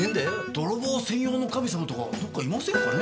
泥棒専用の神様とかどっかいませんかねぇ？